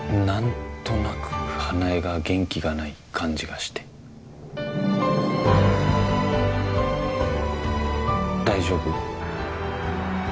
何となく花枝が元気がない感じがして大丈夫？